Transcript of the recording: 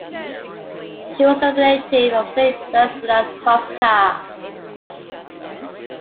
She was a relative of Saint Stanislas Kostka.